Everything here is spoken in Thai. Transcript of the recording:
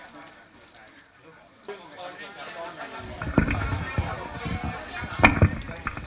ยัง